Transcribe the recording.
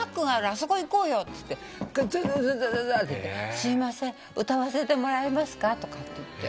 あそこ行こうよ」っつってダダダダって行って「すみません歌わせてもらえますか？」とかって言って。